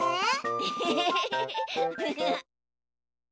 エヘヘヘヘ。